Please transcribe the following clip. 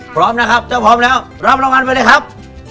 พร้อมนะครับถ้าพร้อมแล้วรับรางวัลไปเลยครับ